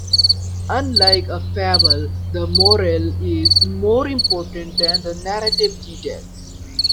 Unlike a fable, the moral is more important than the narrative details.